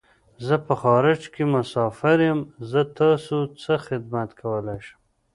زه په خارج کی مسافر یم . زه تاسو څه خدمت کولای شم